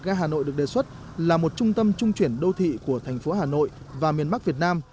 ga hà nội được đề xuất là một trung tâm trung chuyển đô thị của thành phố hà nội và miền bắc việt nam